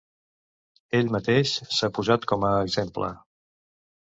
Ell mateix s'ha posat com a exemple.